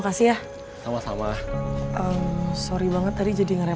kamu bisa berbicara sama saya